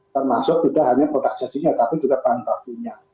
termasuk sudah hanya produk sesinya tapi juga bahan bakunya